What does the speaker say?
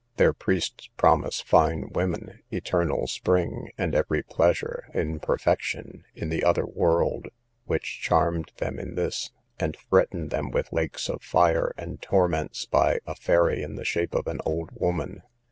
Their priests promise fine women, eternal spring, and every pleasure in perfection in the other world, which charmed them in this; and threaten them with lakes of fire, and torments by a fairy in the shape of an old woman.